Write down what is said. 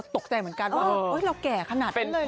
ตกใจเหมือนกันว่าเราแก่ขนาดนั้นเลย